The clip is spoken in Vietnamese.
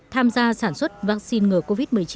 tham gia sản xuất vaccine ngừa covid một mươi chín